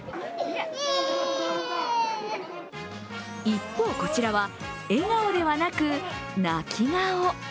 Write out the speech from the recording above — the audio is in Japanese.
一方、こちらは笑顔ではなく泣き顔。